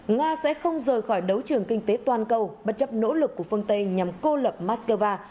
nga sẽ không rời khỏi đấu trường kinh tế toàn cầu bất chấp nỗ lực của phương tây nhằm cô lập moscow